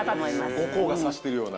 後光が差してるような？